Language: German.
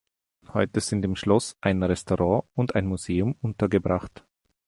Heute sind im Schloss ein Restaurant und ein Museum untergebracht.